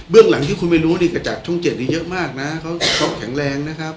เบื้องหลังที่คุณไม่รู้นี่ก็จากช่องเจ็ดอีกเยอะมากน่ะเขาเขาแข็งแรงนะครับ